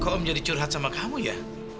kok om jadi curhat sama kamu ya